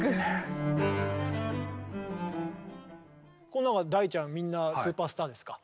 この中大ちゃんみんなスーパースターですか？